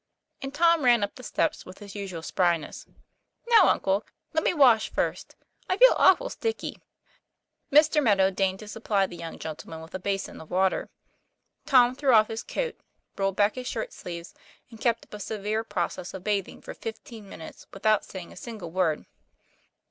And Tom ran up the steps with his usual spryness. 4 Now, uncle, let me wash first; I feel awful sticky." Mr. Meadow deigned to supply the young gentle man with a basin of water. Tom threw off his coat, TO M PLA YFA IR. 157 rolled back his shirt sleeves, and kept up a severe process of bathing for fifteen minutes without saying a single word.